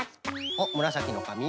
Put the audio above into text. おっむらさきのかみ？